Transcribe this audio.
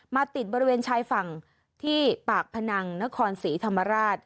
ติดบริเวณชายฝั่งที่ปากพนังนครศรีธรรมราช